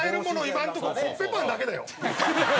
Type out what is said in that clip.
今のとこコッペパンだけだよ？